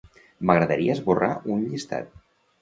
M'agradaria esborrar un llistat.